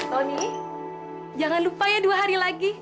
tony jangan lupa ya dua hari lagi